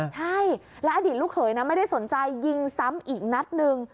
ใช่แล้วอดีตลูกเขยนะไม่ได้สนใจยิงซ้ำอีกนัดหนึ่ง